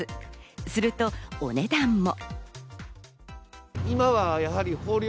するとお値段も。